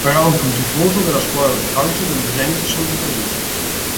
È anche un tifoso della squadra di calcio dello Zenit San Pietroburgo.